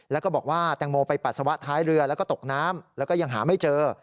แล้วก็บอกว่าแตงโมไปปัสสาวะท้ายเรือแล้วก็ตกน้ำแล้วก็ยังหาไม่เจอ